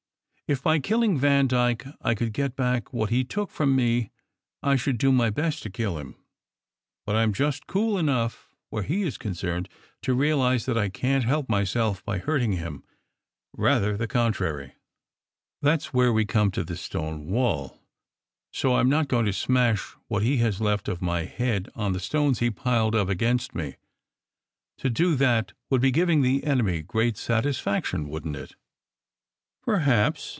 If by killing Vandyke I could get back what he took from me, I should do my best to kill him. But I am just cool enough, where he is concerned, to realize that I can t help myself by hurting him; rather the contrary. That s where we come to the stone wall. So I m not going to smash what he has left of my head on the stones he piled up against me. To do that would be giving the enemy great satisfaction, wouldn t it?" "Perhaps!"